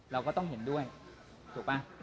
เราก็ต้องเห็นด้วยถูกป่ะ